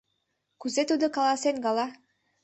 Кузе тудо каласен гала?